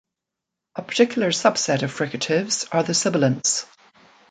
A particular subset of fricatives are the sibilants.